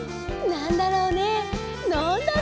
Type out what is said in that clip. なんだろうね？